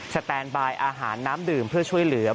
แตนบายอาหารน้ำดื่มเพื่อช่วยเหลือ